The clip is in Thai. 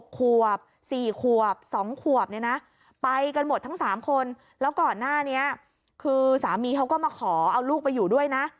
ขวบ๔ขวบ๒ขวบเนี่ยนะไปกันหมดทั้ง๓คนแล้วก่อนหน้านี้คือสามีเขาก็มาขอเอาลูกไปอยู่ด้วยนะ